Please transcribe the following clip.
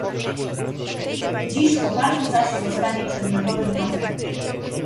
Dziś poparty zaś zostanie przedmiotowy wniosek